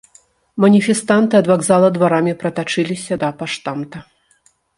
Маніфестанты ад вакзала дварамі пратачыліся да паштамта.